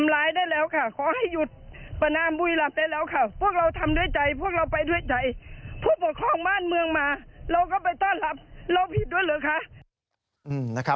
เราก็ไปต้อนรับเล่าผิดด้วยหรือคะ